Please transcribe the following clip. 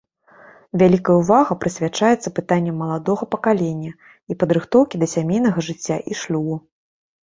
Вялікая ўвага прысвячаецца пытанням маладога пакалення і падрыхтоўкі да сямейнага жыцця і шлюбу.